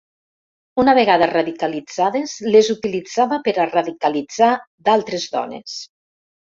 Una vegada radicalitzades, les utilitzava per a radicalitzar d’altres dones.